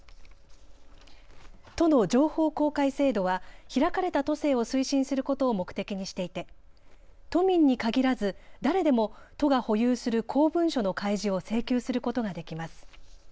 都の情報公開制度は開かれた都政を推進することを目的にしていて都民に限らず誰でも都が保有する公文書の開示を請求することができます。